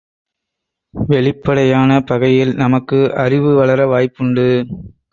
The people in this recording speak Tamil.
வெளிப்படையான பகையில் நமக்கு அறிவு வளர வாய்ப்புண்டு.